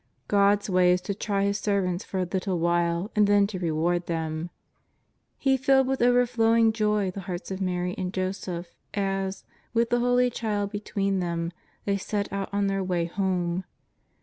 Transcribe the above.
God's way is to try His servants for a little while and then to reward them. He filled with overflowing joy the hearts of Mary and Joseph as, with the Holy Child between them, they set out on their way home.